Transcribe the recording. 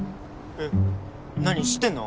えっ何知ってんの？